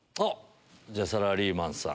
じゃあサラリーマンさん。